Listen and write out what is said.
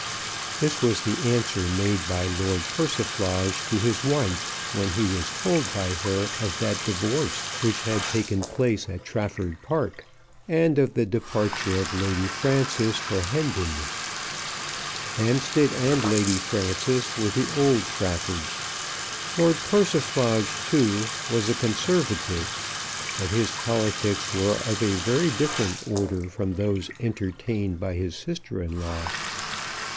This was the answer made by Lord Persiflage to his wife when he was told by her of that divorce which had taken place at Trafford Park, and of the departure of Lady Frances for Hendon. Hampstead and Lady Frances were the old Traffords. Lord Persiflage, too, was a Conservative, but his politics were of a very different order from those entertained by his sister in law.